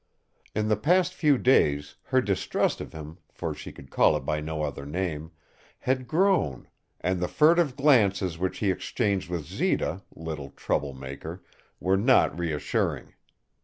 In the past few days her distrust of him, for she could call it by no other name, had grown, and the furtive glances which he exchanged with Zita, little trouble maker, were not reassuring.